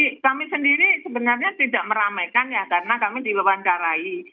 jadi kami sendiri sebenarnya tidak meramaikan ya karena kami diwawancarai